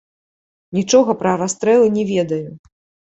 Нічога пра расстрэлы не ведаю.